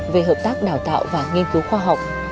về hợp tác đào tạo và nghiên cứu khoa học